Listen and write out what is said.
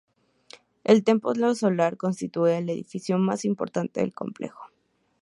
El templo solar constituía el edificio más importante del complejo.